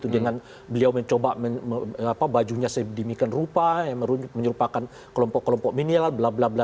dengan beliau mencoba bajunya sedemikian rupa menyerupakan kelompok kelompok milenial